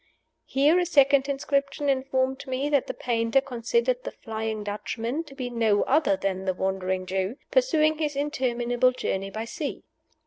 Here a second inscription informed me that the painter considered the Flying Dutchman to be no other than the Wandering Jew, pursuing his interminable Journey by sea.